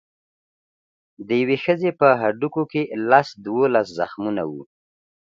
د یوې ښځې په هډوکو کې لس دولس زخمونه وو.